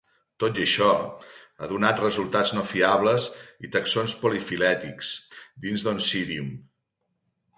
Tot i això, ha donat resultats no fiables i taxons polifilètics dins d""Oncidium".